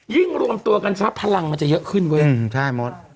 ยิ่งรวมตัวกันช้าพลังมันจะเยอะขึ้นเว้ย